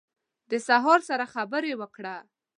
د سهار سره خبرې وکړه